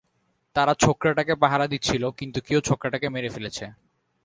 তারা ছোকড়াটাকে পাহারা দিচ্ছিলো, কিন্তু কেউ ছোকড়াটাকে মেরে ফেলেছে।